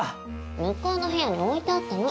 向こうの部屋に置いてあったの。